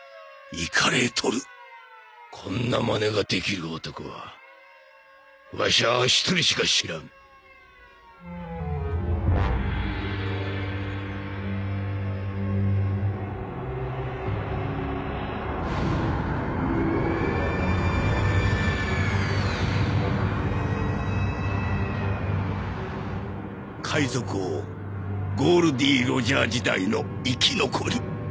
イカれとるこんなマネができる男はわしゃ一人しか知らん海賊王「ゴール・Ｄ・ロジャー」時代の生き残り